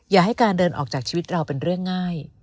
อย่าให้การเดินออกจากชีวิตเราเป็นเรื่องง่าย